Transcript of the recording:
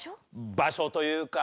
場所というか。